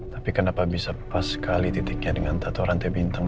tapi kenapa bisa pas sekali titiknya dengan tata rantai bintang